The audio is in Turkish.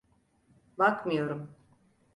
Bakmıyorum.